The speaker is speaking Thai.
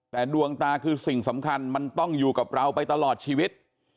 แต่ดวงตาคือสิ่งสำคัญมันต้องอยู่กับเราไปตลอดชีวิต